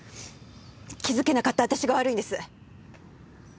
気づけなかった私が悪いんです。